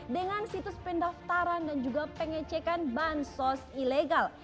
dengan situs pendaftaran dan juga pengecekan bansos ilegal